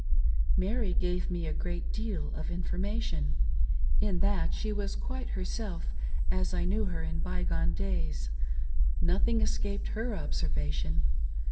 Mary gave me a great deal of information. In that she was quite herself, as I knew her in by gone days. Nothing escaped her observation.